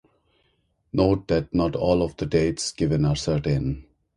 Note that not all of the dates given are certain.